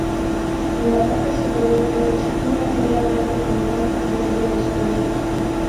En la parte superior derecha, una tierra verde con franjas verde oscuro.